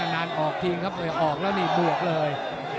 นานออกทีครับออกแล้วนี่บวกเลย